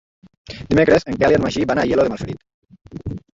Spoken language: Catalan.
Dimecres en Quel i en Magí van a Aielo de Malferit.